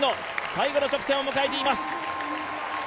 最後の直線を迎えています。